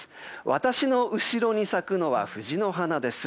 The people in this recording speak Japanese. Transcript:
私の後ろに咲くのは藤の花です。